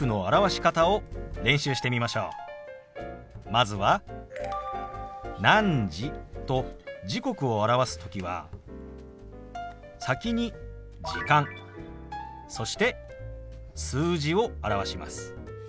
まずは「何時」と時刻を表す時は先に「時間」そして数字を表します。